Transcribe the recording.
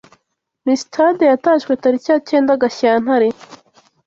ni sitade yatashywe tariki ya cyenda Gashyantare